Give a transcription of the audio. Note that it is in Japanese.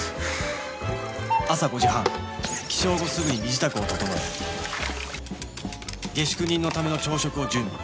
朝５時半起床後すぐに身支度を整え下宿人のための朝食を準備